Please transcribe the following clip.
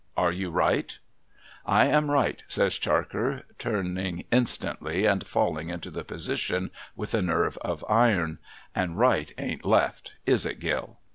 Are you right ?'' I am right,' says Charker, turning instantly, and falling into the position with a nerve of iron ; 'and right ain't left. Is it, Gill?'